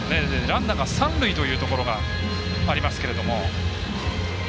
ランナーが三塁というところがありますけれども。